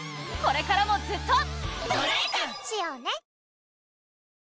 これからもずっと。